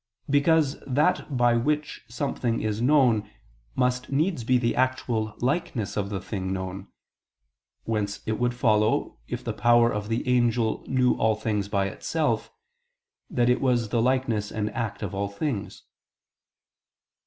Because that by which something is known, must needs be the actual likeness of the thing known: whence it would follow, if the power of the angel knew all things by itself, that it was the likeness and act of all things.